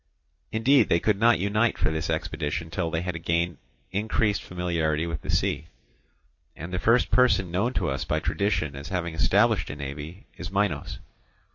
Indeed, they could not unite for this expedition till they had gained increased familiarity with the sea. And the first person known to us by tradition as having established a navy is Minos.